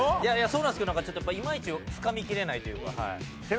そうなんですけどいまいちつかみきれないというか。